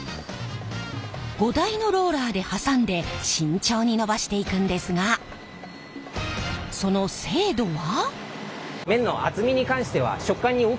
５台のローラーで挟んで慎重に延ばしていくんですがその精度は。